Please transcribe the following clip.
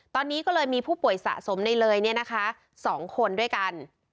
ตอนนี้ก็เลยมีผู้ป่วยสะสมในเลย๒คนด้วยกัน